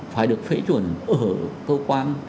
phải được phẫy chuẩn ở cơ quan